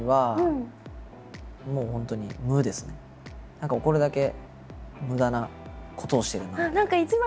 何か怒るだけ無駄なことをしてるなって。